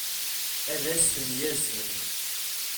ad as-ten-yazen